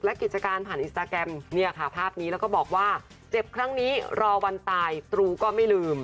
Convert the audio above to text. และกิจการผ่านอินสตาแกรมเนี่ยค่ะภาพนี้แล้วก็บอกว่าเจ็บครั้งนี้รอวันตายตรูก็ไม่ลืม